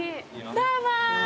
どうも！